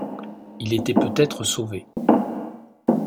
il était peut-être sauvé.